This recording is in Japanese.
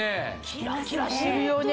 キラキラしてるよね！